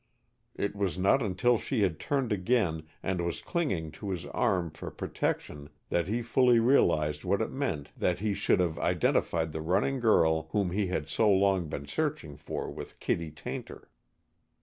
It was not until she had turned again and was clinging to his arm for protection that he fully realized what it meant that he should have identified the running girl whom he had so long been searching for with Kittie Tayntor.